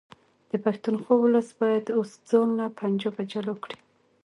د پښتونخوا ولس باید اوس ځان له پنجابه جلا کړي